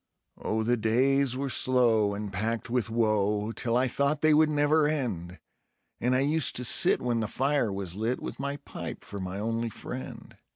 Oh, the days were slow and packed with woe, till I thought they would never end; And I used to sit when the fire was lit, with my pipe for my only friend.